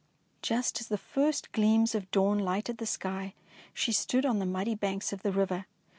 Just as the first gleams of dawn lighted the sky, she stood on the muddy banks of the river.